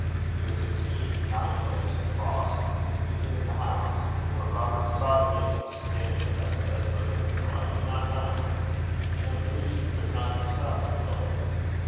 It was a keen, knife edged frost, even in the house, and what Robert saw to make him stand at the desolate window, I do not know, and I believe he could not himself have told.